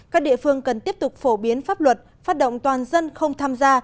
các địa phương cần tiếp tục phổ biến pháp luật phát động toàn dân không tham gia